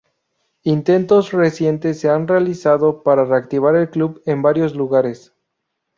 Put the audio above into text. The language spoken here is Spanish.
Intentos recientes se han realizado para reactivar el club en varios lugares.